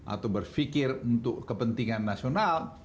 atau berpikir untuk kepentingan nasional